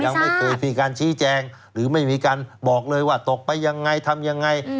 ยังไม่เคยมีการชี้แจงหรือไม่มีการบอกเลยว่าตกไปยังไงทำยังไง